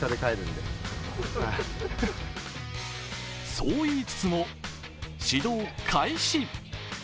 そう言いつつも指導開始。